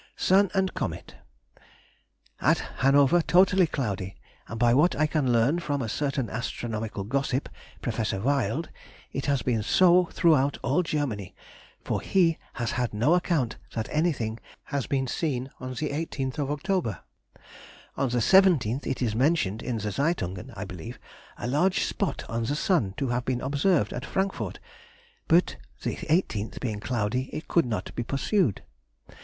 Sun and Comet.—At Hanover totally cloudy, and by what I can learn from a certain astronomical gossip, Prof. Wild, it has been so throughout all Germany, for he has had no account that anything has been seen on the 18th Nov. On the 17th it is mentioned (in the Zeitungen, I believe) a large spot on the sun to have been observed at Frankfort, but the 18th being cloudy it could not be pursued.